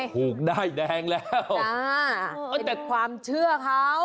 ถูกด้ายแดงแล้วแต่ความเชื่อเขา